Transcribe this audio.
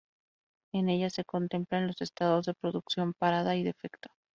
En ella se contemplan los estados de producción, parada y defecto.